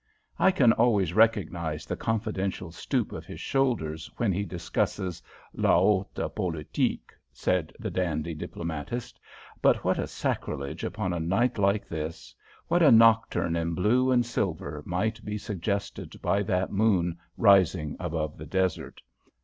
"I can always recognise the confidential stoop of his shoulders when he discusses la haute politique" said the dandy diplomatist. "But what a sacrilege upon a night like this! What a nocturne in blue and silver might be suggested by that moon rising above the desert.